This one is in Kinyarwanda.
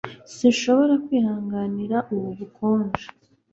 Sinshobora kwihanganira ubu bukonje.